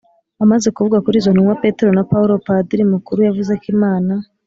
amaze kuvuga kuri izo ntumwa petero na paulo, padiri mukuru yavuze ko imana